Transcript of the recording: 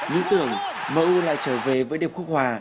nhưng tưởng mourinho lại trở về với điểm khúc hòa